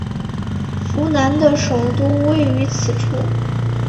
扶南的首都位于此处。